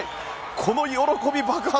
この喜び爆発。